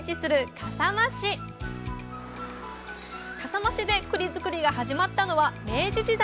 笠間市でくり作りが始まったのは明治時代。